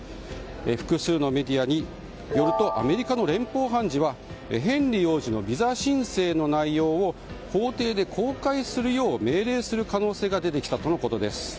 複数のメディアによるとアメリカの連邦判事はヘンリー王子のビザ申請の内容を法廷で公開するよう命令する可能性が出てきたとのことです。